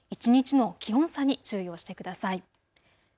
一日の気温差に注意をしてください。